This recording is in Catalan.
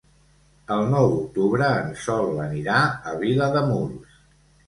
El nou d'octubre en Sol anirà a Vilademuls.